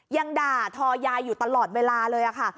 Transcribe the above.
ยังด่าทอยายอยู่ตลอดเวลาเลยค่ะ